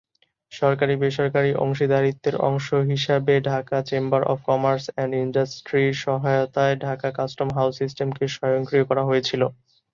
সরকারী-বেসরকারী অংশীদারিত্বের অংশ হিসাবে Dhaka chamber of commerce and ইন্ডাস্ট্রির সহায়তায় ঢাকা কাস্টম হাউজ সিস্টেমকে স্বয়ংক্রিয় করা হয়েছিল।